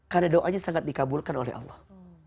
karena doanya sangat dikabulkan oleh allah